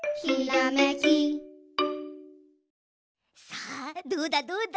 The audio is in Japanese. さあどうだどうだ？